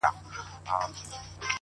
پرون مي ستا په ياد كي شپه رڼه كړه”